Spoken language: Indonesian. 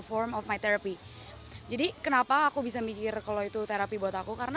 form of my therapy jadi kenapa aku bisa mikir kalau itu terapi buat aku karena